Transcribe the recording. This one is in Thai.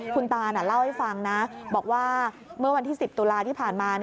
คุณตาเล่าให้ฟังนะบอกว่าเมื่อวันที่๑๐ตุลาที่ผ่านมา